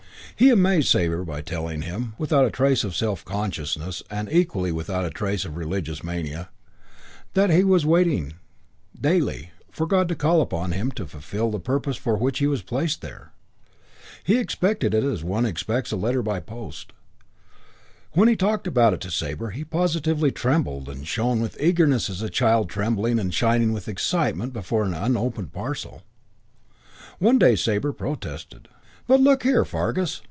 He amazed Sabre by telling him, without trace of self consciousness and equally without trace of religious mania, that he was waiting, daily, for God to call upon him to fulfil the purpose for which he was placed there. He expected it as one expects a letter by the post. When he talked about it to Sabre he positively trembled and shone with eagerness as a child trembling and shining with excitement before an unopened parcel. One day Sabre protested. "But look here, Fargus.